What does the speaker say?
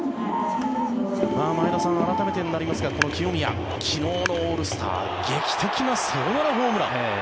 前田さん、改めてになりますがこの清宮、昨日のオールスター劇的なサヨナラホームラン。